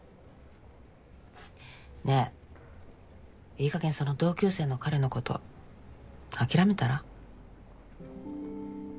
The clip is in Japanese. ねぇいい加減その同級生の彼のこと諦めたら？